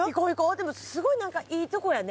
でもすごい何かいいとこやね。